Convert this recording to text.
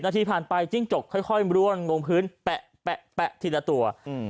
นาทีผ่านไปจิ้งจกค่อยร่วงลงพื้นแปะทีละตัว